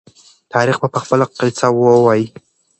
تاریخ به خپله قصه ووايي.